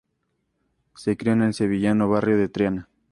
Se crio en el sevillano barrio de Triana.